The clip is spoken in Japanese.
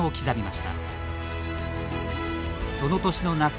その年の夏